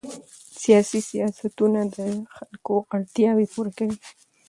سیاسي سیاستونه د خلکو اړتیاوې پوره کوي